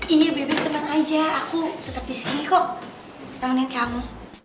iya beb teman aja aku tetep disini kok temenin kamu